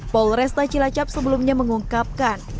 polresta cilacap sebelumnya mengungkapkan